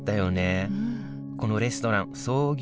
うんこのレストラン創業